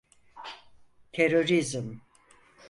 Terörizm…